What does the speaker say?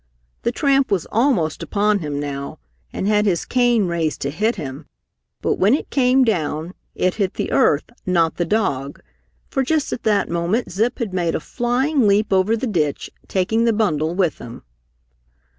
The tramp was almost upon him now and had his cane raised to hit him, but when it came down, it hit the earth, not the dog, for just at that moment Zip had made a flying leap over the ditch, taking the bundle with him.